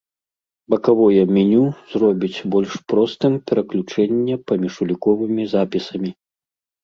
Бакавое меню зробіць больш простым пераключэнне паміж уліковымі запісамі.